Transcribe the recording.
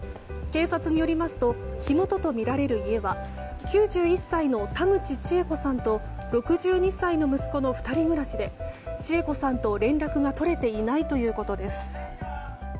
警察によりますと火元とみられる家は９１歳の田口知栄子さんと６２歳の息子の２人暮らしで知栄子さんと連絡が取れていないということです。